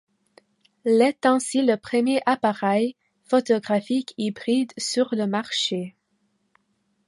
L' est ainsi le premier appareil photographique hybride sur le marché.